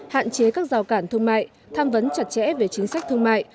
hạn chế các rào cản thương mại tham vấn chặt chẽ về chính sách thương mại